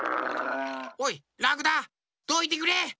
おいラクダどいてくれ！